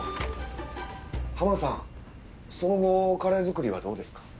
濱さんその後カレー作りはどうですか？